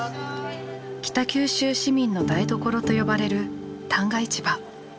「北九州市民の台所」と呼ばれる旦過市場。